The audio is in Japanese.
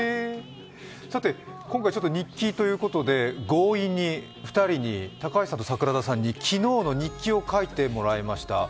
今回日記ということで、強引に２人に、高橋さんと桜田さんに昨日の日記を書いてもらいました。